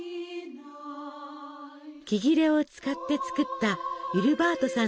木切れを使って作ったウィルバートさん